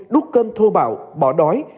đút cơm thô bạo bỏ đói